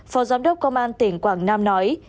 phó giám đốc công an tỉnh quảng nam nói